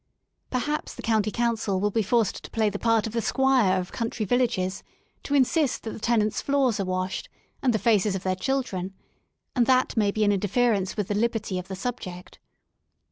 Perhaps the County Council will be forced to play the part of the squire of country villages, to insist that the tenants' floors are washed, and the faces of their chil dren, and that may be an interference with the liberty of the subject.